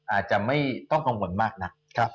อาจจะไม่ต้องกังวลมากนัก